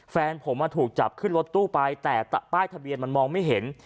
แฟนผมถูกจับขึ้นรถตู้ไปแต่ป้ายทะเบียนมันมองไม่เห็น